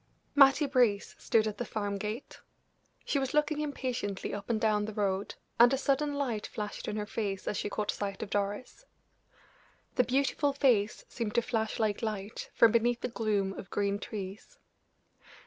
Mattie Brace stood at the farm gate: she was looking impatiently up and down the road, and a sudden light flashed in her face as she caught sight of Doris. The beautiful face seemed to flash like light from beneath the gloom of green trees.